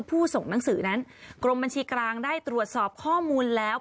ผู้ส่งหนังสือนั้นกรมบัญชีกลางได้ตรวจสอบข้อมูลแล้ว